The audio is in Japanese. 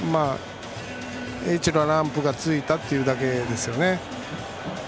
Ｈのランプがついたというだけですね。